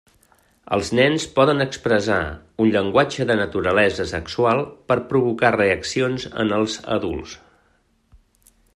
Els nens poden expressar un llenguatge de naturalesa sexual per provocar reaccions en els adults.